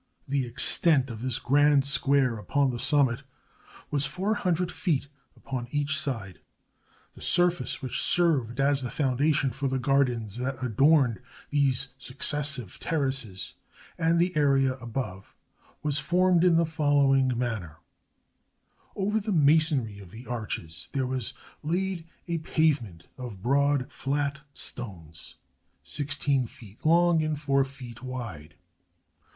The extent of this grand square upon the summit was four hundred feet upon each side. The surface which served as the foundation for the gardens that adorned these successive terraces and the area above was formed in the following manner: Over the masonry of the arches there was laid a pavement of broad fiat stones, sixteen feet long and four feet wide.